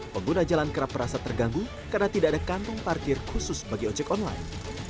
pengguna jalan kerap merasa terganggu karena tidak ada kantong parkir khusus bagi ojek online